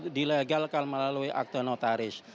dan itu digagalkan melalui akte notaris